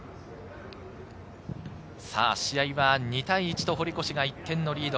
試合は２対１と堀越が１点のリード。